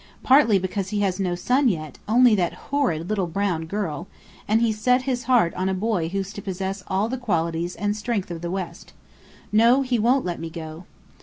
Partly because he has no son yet, only that horrid little brown girl; and he's set his heart on a boy who's to possess all the qualities and strength of the West. No, he won't let me go!"